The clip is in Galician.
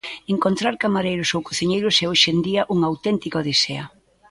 Encontrar camareiros ou cociñeiros é hoxe en día unha auténtica odisea.